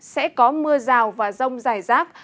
sẽ có mưa rào và rông dài rác